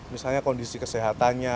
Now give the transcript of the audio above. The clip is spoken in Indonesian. misalnya kondisi kesehatannya